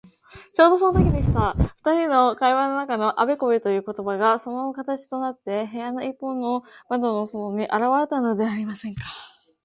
ちょうどそのときでした。ふたりの会話の中のあべこべということばが、そのまま形となって、部屋のいっぽうの窓の外にあらわれたではありませんか。